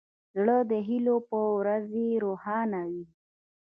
زړه د هیلو په ورځې روښانه وي.